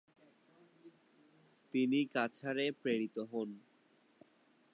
তিনি কাছাড়ে প্রেরিত হন।